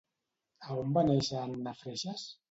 A on va néixer Anna Freixas?